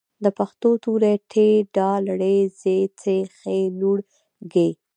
د پښتو توري: ټ، ډ، ړ، ځ، څ، ښ، ڼ، ږ